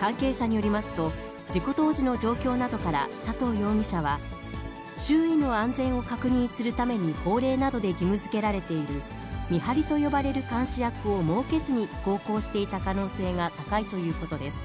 関係者によりますと、事故当時の状況などから佐藤容疑者は、周囲の安全を確認するために法令などで義務づけられている、見張りと呼ばれる監視役を設けずに航行していた可能性が高いということです。